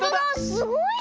すごいね！